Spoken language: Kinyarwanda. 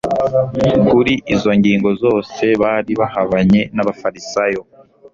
Kuri izo ngingo zose bari bahabanye n'abafarisayo.